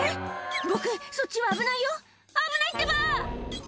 ボクそっちは危ないよ危ないってば！